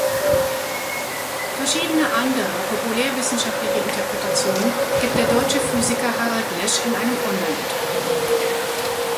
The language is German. Verschiedene andere populärwissenschaftliche Interpretationen gibt der deutsche Physiker Harald Lesch in einem Online-Interview.